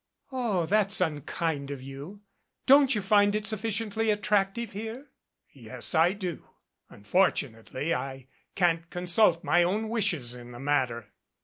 "Oh, that's unkind of you. Don't you find it suffi ciently attractive here?" "Yes, I do. Unfortunately, I can't consult my own wishes in the matter."